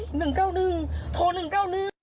เฮ้ย๑๙๑โทร๑๙๑